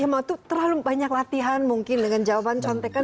emma itu terlalu banyak latihan mungkin dengan jawaban contekan